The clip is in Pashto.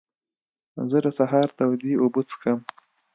زه د سهار تودې اوبه څښم.